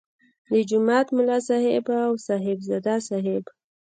د جومات ملا صاحب او صاحبزاده صاحب.